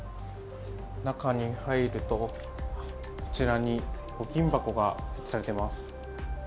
中に入ると、こちらに募金箱が設置されています。